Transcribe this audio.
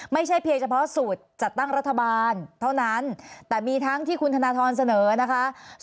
ไม่ใช่เพียงเฉพาะสูตรจัดตั้งรัฐบาลเท่านั้นแต่มีทั้งที่คุณธนทรเสนอนะคะ